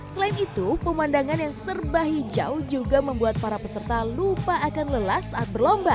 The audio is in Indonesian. selain itu pemandangan yang serba hijau juga membuat para peserta lupa akan lelah saat berlomba